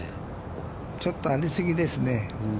ちょっとありすぎですね。